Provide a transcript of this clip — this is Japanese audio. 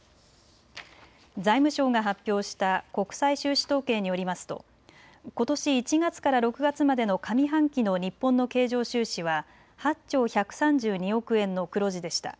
財務省が発表した国際収支統計によりますとことし１月から６月までの上半期の日本の経常収支は８兆１３２億円の黒字でした。